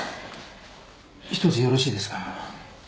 一つよろしいですか？